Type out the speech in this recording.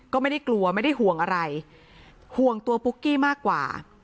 ก็ไม่ได้กลัวไม่ได้ห่วงอะไรห่วงตัวปุ๊กกี้มากกว่า